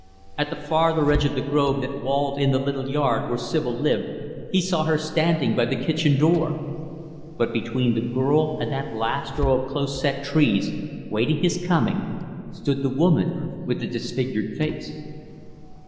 At the farther edge of the grove that walled in the little yard where Sibyl lived, he saw her standing by the kitchen door. But between the girl and that last row of close set trees, waiting his coming, stood the woman with the disfigured face.